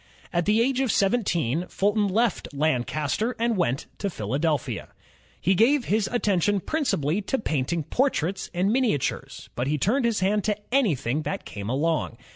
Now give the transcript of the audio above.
At the age of seventeen, Fulton left Lancaster and went to Philadelphia. He gave his attention principally to painting portraits and miniatures, but he turned his hand to anything that came along.